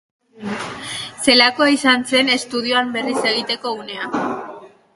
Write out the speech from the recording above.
Zelakoa izan zen estudioan berriz bat egiteko unea?